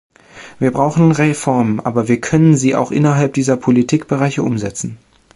Wir brauchen Reformen, aber wir können sie auch innerhalb dieser Politikbereiche umsetzen.